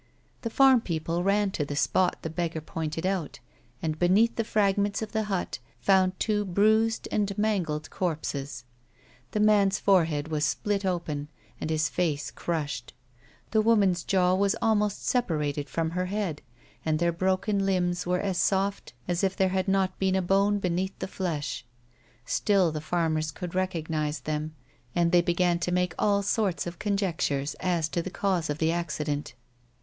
The farm people ran to the spot the beggar pointed out, and beneath the fragments of the hut, found two bruised and mangled corpses. The man's forehead was split open, and 186 A WOMAN'S LIFE. his face crushed ; the woman's jaw was almost separated from her head, and their broken limbs were as soft as if there had not been a bone beneath the flesh. Still the farmers could recognise them, and tliey began to make all sorts of conjectures as to the cause of the accident.